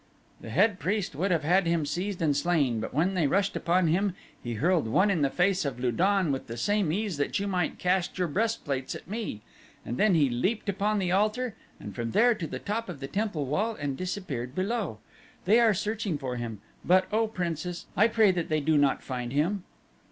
"The head priest would have had him seized and slain, but when they rushed upon him he hurled one in the face of Lu don with the same ease that you might cast your breastplates at me, and then he leaped upon the altar and from there to the top of the temple wall and disappeared below. They are searching for him, but, O Princess, I pray that they do not find him."